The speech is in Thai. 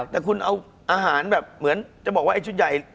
แต่คุณเอาอาหารแบบเหมือนจะบอกว่าไอ้ชุดใหญ่